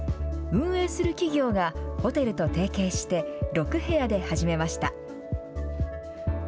運営する企業が、ホテルと提携して、６部屋で始めました。